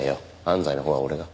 安西のほうは俺が。